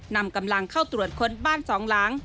นำกำลังเข้าตรวจค้นบ้านสองหลัง